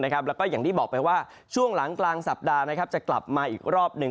แล้วก็อย่างที่บอกไปว่าช่วงหลังกลางสัปดาห์จะกลับมาอีกรอบหนึ่ง